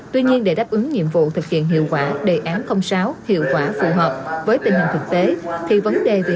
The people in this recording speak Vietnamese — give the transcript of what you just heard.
tuy nhiên để đáp ứng nhiệm vụ thực hiện hiệu quả đề án sáu hiệu quả phù hợp với tình hình thực tế